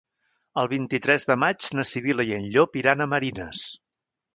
El vint-i-tres de maig na Sibil·la i en Llop iran a Marines.